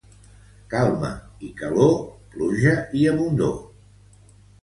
Calma i calor, pluja abundor.